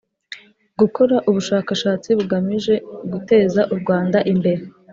gukora ubushakashatsi bugamije guteza u Rwanda imbere